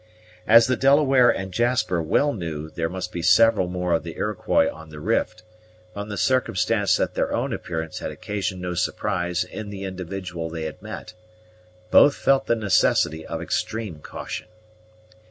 As the Delaware and Jasper well knew there must be several more of the Iroquois on the rift, from the circumstance that their own appearance had occasioned no surprise in the individual they had met, both felt the necessity of extreme caution.